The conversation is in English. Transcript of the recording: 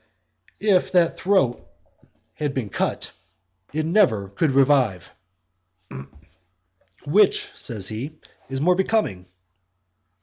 If its throat had been cut, it never could revive. "Which," says he, "is more becoming."